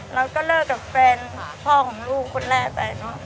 แล้วก็เลิกกับแฟนหาพ่อของลูกคนแรกไปเนอะ